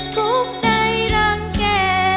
ทุกใดรังแก